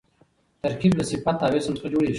ترکیب له صفت او اسم څخه جوړېږي.